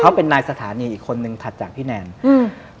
เขาเป็นนายสถานีอีกคนนึงถัดจากพี่แนนอืม